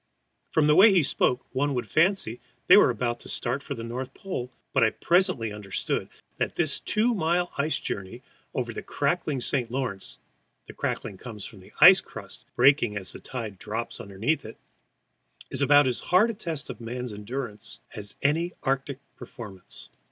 From the way he spoke one would fancy they were about to start for the North Pole, but I presently understood that this two mile ice journey over the crackling St. Lawrence the crackling comes from the ice crust breaking as the tide drops under it is about as hard a test of men's endurance as any Arctic performance.